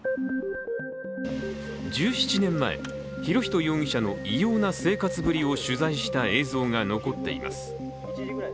１７年前、博仁容疑者の異様な生活ぶりを取材した映像が残っています。